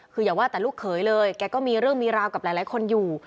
คืออย่าว่าแต่ลูกเขยเลยแกก็มีเรื่องมีราวกับหลายคนอยู่